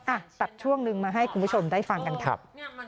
อ่ะตัดช่วงนึงมาให้คุณผู้ชมได้ฟังกันครับ